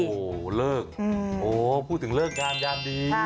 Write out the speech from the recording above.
โหเลิกพูดถึงเลิกงามยามดี